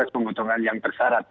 pembutuhan yang terserat